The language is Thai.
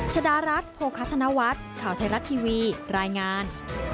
ชดารัฐโภคธนวัฒน์ข่าวไทยรัฐทีวีรายงาน